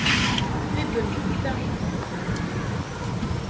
Bibbemt ta.